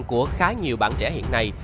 của khá nhiều bạn trẻ hiện nay